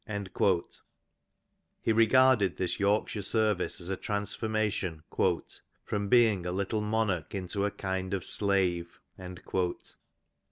^' He regarded this Yorkshire service as a transformation *^ from being a little monarch into a kind of slave."